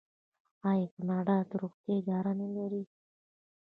آیا کاناډا د روغتیا اداره نلري؟